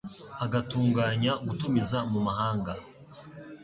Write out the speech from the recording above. a gutunganya gutumiza mu mahanga